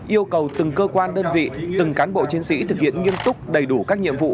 yêu cầu từng cơ quan đơn vị từng cán bộ chiến sĩ thực hiện nghiêm túc đầy đủ các nhiệm vụ